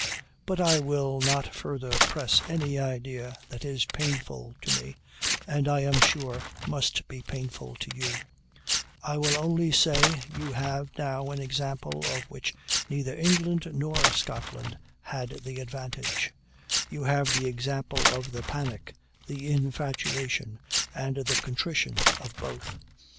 But I will not further press any idea that is painful to me, and I am sure must be painful to you; I will only say, you have now an example of which neither England nor Scotland had the advantage; you have the example of the panic, the infatuation, and the contrition of both.